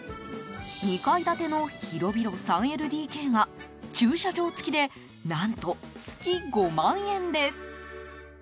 ２階建ての広々３ＬＤＫが駐車場付きで何と月５万円です。